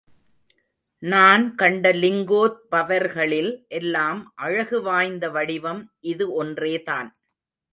நான் கண்ட லிங்கோத்பவர்களில் எல்லாம் அழகு வாய்ந்த வடிவம் இது ஒன்றேதான்.